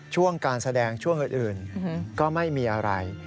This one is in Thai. ช่วงการแสดงช่วงอื่นก็ไม่มีอะไร